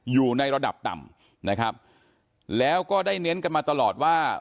อยู่ในระดับต่ำนะครับแล้วก็ได้เน้นกันมาตลอดว่า